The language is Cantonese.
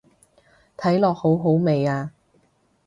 睇落好好味啊